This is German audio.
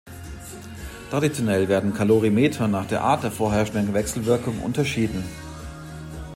Traditionell werden Kalorimeter nach der Art der vorherrschenden Wechselwirkung unterschieden.